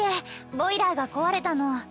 ボイラーが壊れたの。